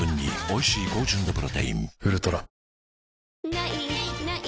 「ない！ない！